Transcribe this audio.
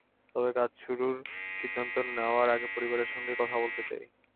তবে কাজ শুরুর সিদ্ধান্ত নেওয়ার আগে পরিবারের সঙ্গে কথা বলতে চাই।